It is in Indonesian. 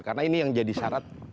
karena ini yang jadi syarat